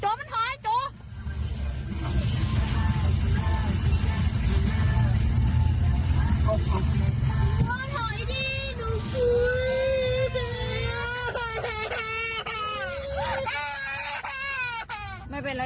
ชมอาวุฒิใช่เพราะเลย